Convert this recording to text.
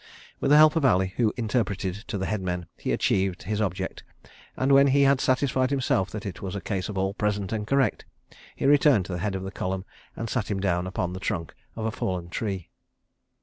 With the help of Ali, who interpreted to the headmen, he achieved his object, and, when he had satisfied himself that it was a case of "all present and correct," he returned to the head of the column and sat him down upon the trunk of a fallen tree.